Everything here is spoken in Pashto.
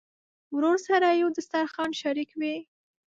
ورور سره یو دسترخوان شریک وي.